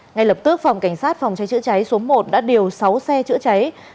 ngay lập tức phòng cảnh sát phòng cháy chữa cháy số một đã điều sáu xe chữa cháy